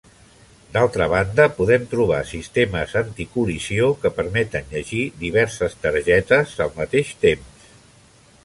D'altra banda podem trobar sistemes anticol·lisió que permeten llegir diverses targetes al mateix temps.